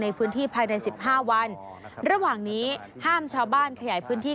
ในพื้นที่ภาคใน๑๕วันระหว่างนี้ห้ามชาวบ้านขยายพื้นที่